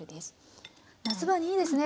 夏場にいいですね。